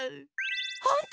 ほんと？